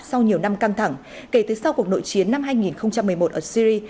sau nhiều năm căng thẳng kể từ sau cuộc nội chiến năm hai nghìn một mươi một ở syri